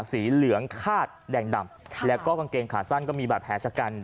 สีเหลืองคาดแดงดำแล้วก็กางเกงขาสั้นก็มีบาดแผลชะกัน